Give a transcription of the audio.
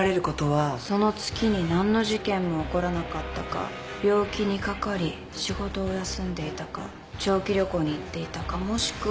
その月に何の事件も起こらなかったか病気にかかり仕事を休んでいたか長期旅行に行っていたかもしくは。